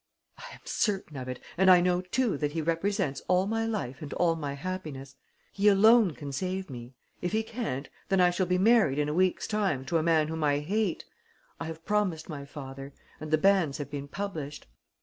"I am certain of it and I know too that he represents all my life and all my happiness. He alone can save me. If he can't, then I shall be married in a week's time to a man whom I hate. I have promised my father; and the banns have been published."